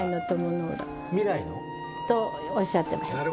未来の？とおっしゃってました。